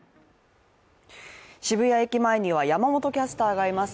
渋谷駅前には山本キャスターがいます。